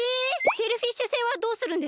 シェルフィッシュ星はどうするんですか？